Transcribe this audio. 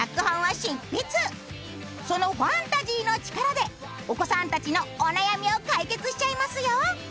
そのファンタジーのチカラでお子さんたちのお悩みを解決しちゃいますよ。